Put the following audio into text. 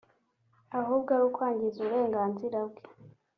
ahubwo ari ukwangiza uburenganzira bwe”